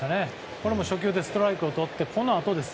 これも初球でストライクをとってこのあとです。